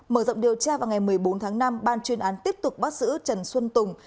mở rộng điều tra vào ngày một mươi bốn tháng năm ban chuyên án tiếp tục bắt giữ trần xuân tùng